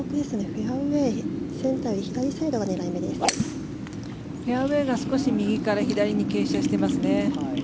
フェアウェーが少し右から左に傾斜していますね。